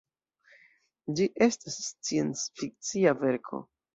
Ĝi estas sciencfikcia verko.